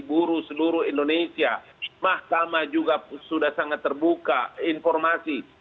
buruh seluruh indonesia mahkamah juga sudah sangat terbuka informasi